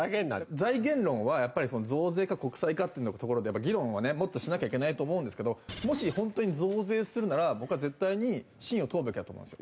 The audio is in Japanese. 財源論はやっぱり増税か国債かっていうところで議論はねもっとしなきゃいけないと思うんですけどもし本当に増税するなら僕は絶対に信を問うべきだと思うんですよ。